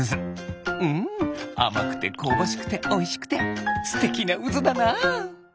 うんあまくてこうばしくておいしくてすてきなうずだな。